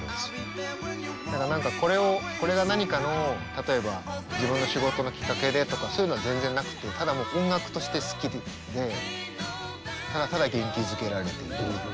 だから何かこれが何かの例えば自分の仕事のきっかけでとかそういうのは全然なくてただ音楽として好きでただただ元気づけられている。